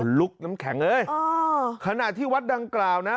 ลุกน้ำแข็งเอ้ยอ๋อขณะที่วัดดังกล่าวนะ